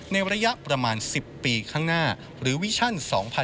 ในระยะประมาณ๑๐ปีข้างหน้าหรือวิชั่น๒๐๑๖